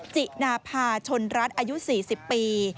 จินาภาชนรัฐอายุ๔๐ปี